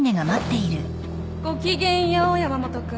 ごきげんよう山本君。